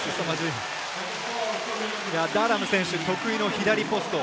ダーラム選手、得意の左ポスト。